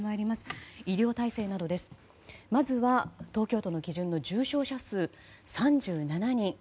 まずは東京都の基準の重症者数は３７人。